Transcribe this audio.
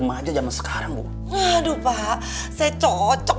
mau ke dapur